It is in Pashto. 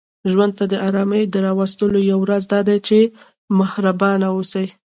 ژوند ته د آرامۍ د راوستلو یو راز دا دی، چې محربانه اوسئ